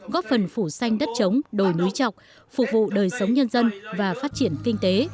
góp phần phủ xanh đất trống đồi núi trọc phục vụ đời sống nhân dân và phát triển kinh tế